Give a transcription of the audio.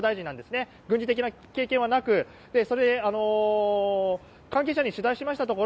軍事的な経験はなく関係者に取材しました